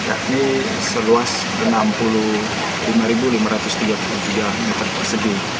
yakni seluas enam puluh lima lima ratus tiga puluh tiga meter persegi